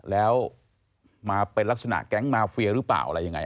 แล้วมาเป็นลักษณะแก๊งมาเฟียหรือเปล่าอะไรยังไง